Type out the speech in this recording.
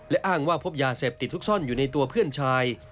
และอ้างว่าพบยาเสพติดซุกซ่อนอยู่ในตัวเพื่อนชาย